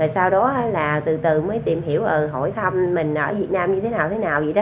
sau đó là từ từ mới tìm hiểu hội thăm mình ở việt nam như thế nào thế nào vậy đó